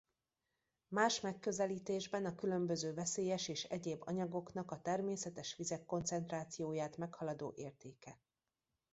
Más megközelítésben a különböző veszélyes és egyéb anyagoknak a természetes vizek koncentrációját meghaladó értéke.